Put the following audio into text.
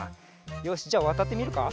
よしじゃわたってみるか？